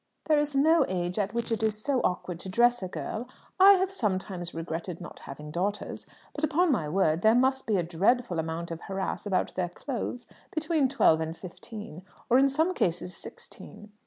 "There is no age at which it is so awkward to dress a girl. I have sometimes regretted not having daughters; but upon my word there must be a dreadful amount of harass about their clothes between twelve and fifteen or in some cases sixteen."